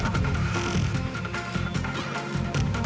kita penipuan apipsejaao